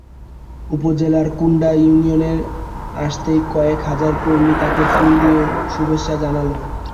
উপজেলার কুণ্ডা ইউনিয়নে আসতেই কয়েক হাজার কর্মী তাঁকে ফুল দিয়ে শুভেচ্ছা জানান।